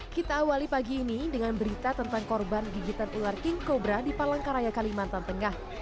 kita awali pagi ini dengan berita tentang korban gigitan ular king cobra di palangkaraya kalimantan tengah